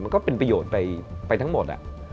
ก็เป็นประโยชน์ไปทั้งหมด